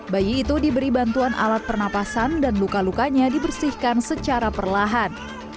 bayi itu diberi bantuan alat pernapasan dan luka lukanya dibersihkan secara perlahan